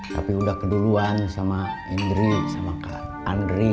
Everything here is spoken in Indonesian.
tapi udah keduluan sama indri sama kak andri